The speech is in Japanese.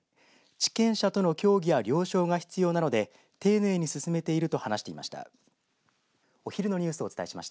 地権者との協議や了承が必要なので丁寧に進めていると話していました。